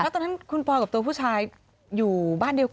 ตอนนั้นคุณปอกับตัวผู้ชายอยู่บ้านเดียวกัน